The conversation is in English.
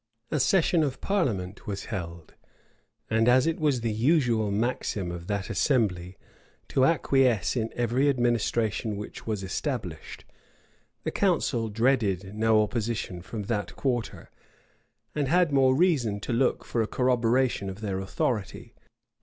A session of parliament was held; and as it was the usual maxim of that assembly to acquiesce in every administration which was established, the council dreaded no opposition from that quarter, and had more reason to look for a corroboration of their authority.